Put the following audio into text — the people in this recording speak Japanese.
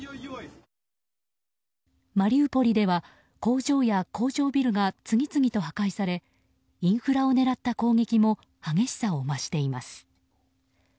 マリウポリでは工場や工業ビルが次々と破壊されインフラを狙った攻撃も激しさを増しています。